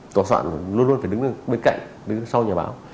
tòa soạn luôn luôn phải đứng bên cạnh đứng sau nhà báo